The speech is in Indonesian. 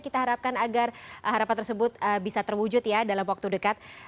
kita harapkan agar harapan tersebut bisa terwujud ya dalam waktu dekat